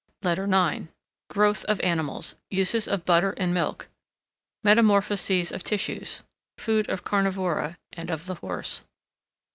LETTER IX Growth of Animals. Uses of Butter and Milk. Metamorphoses of Tissues. Food of Carnivora, and of the Horse.